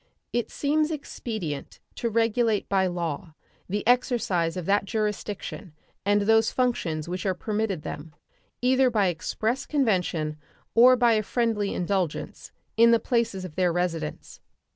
It seems expedient to regulate by law the exercise of that jurisdiction and those functions which are permitted them, either by express convention or by a friendly indulgence, in the places of their residence.